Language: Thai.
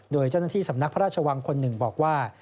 โดยเจ้าหน้าที่สำนักพระราชวังคนหนึ่งบอกว่า